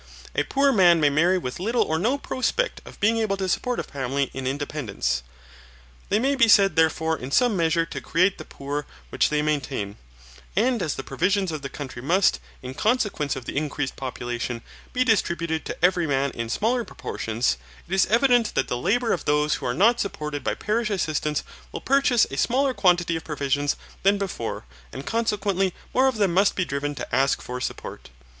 A poor man may marry with little or no prospect of being able to support a family in independence. They may be said therefore in some measure to create the poor which they maintain, and as the provisions of the country must, in consequence of the increased population, be distributed to every man in smaller proportions, it is evident that the labour of those who are not supported by parish assistance will purchase a smaller quantity of provisions than before and consequently more of them must be driven to ask for support.